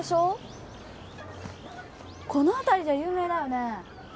この辺りじゃ有名だよね。